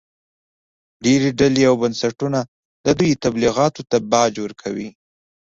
ډېرې ډلې او بنسټونه د دوی تبلیغاتو ته باج ورکوي